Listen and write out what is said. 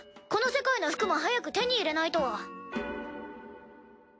この世界の服も早く手に入れないと。